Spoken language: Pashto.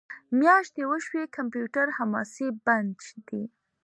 میاشتې وشوې کمپیوټر هماسې بند دی